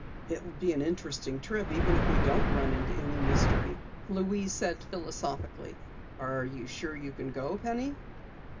"It will be an interesting trip even if we don't run into any mystery," Louise said philosophically. "Are you sure you can go, Penny?"